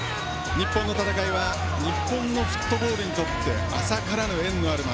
日本の戦いは日本のフットボールにとって浅からぬ縁のある町。